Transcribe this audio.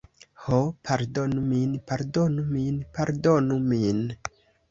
"Ho, pardonu min. Pardonu min. Pardonu min."